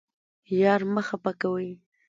یار مه خفه کوئ